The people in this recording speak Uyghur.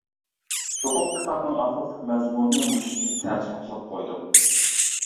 چوقۇم كىتابنىڭ ئاساسلىق مەزمۇنىنى مۇشۇنچىلىك تەرجىمە قىلىپ قويدۇم.